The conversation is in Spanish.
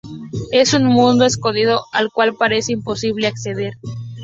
Es un mundo escondido al cual parece imposible acceder.